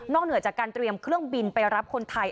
เหนือจากการเตรียมเครื่องบินไปรับคนไทย